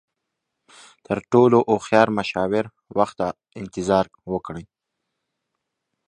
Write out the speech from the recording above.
تر ټولو هوښیار مشاور، وخت ته انتظار وکړئ.